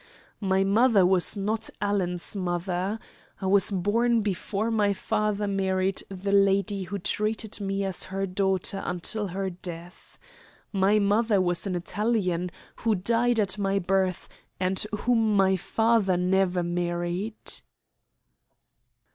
My mother was not Alan's mother. I was born before my father married the lady who treated me as her daughter until her death. My mother was an Italian, who died at my birth, and whom my father never married."